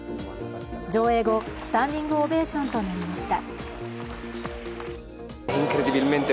上映後、スタンディングオベーションとなりました。